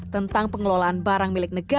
tentang pengelolaan barang